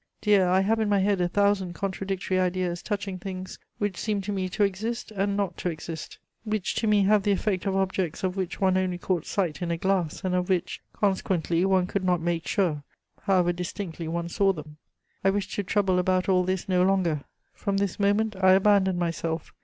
Dear, I have in my head a thousand contradictory ideas touching things which seem to me to exist and not to exist, which to me have the effect of objects of which one only caught sight in a glass, and of which, consequently, one could not make sure, however distinctly one saw them. I wish to trouble about all this no longer; from this moment I abandon myself.